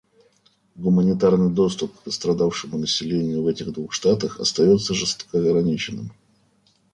Гуманитарный доступ к пострадавшему населению в этих двух штатах остается жестко ограниченным.